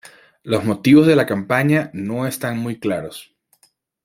Los motivos de la campaña no están muy claros.